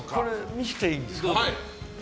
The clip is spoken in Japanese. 見せていいんですか？